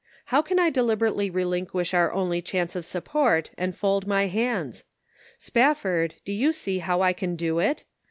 How can I deliberately relinquish our only chance of support and fold my hands ? Spafford, do you see how I can do it?